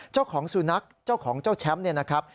เจ้าของสุนัขเจ้าของเจ้าแชมป์เนี่ยนะครับ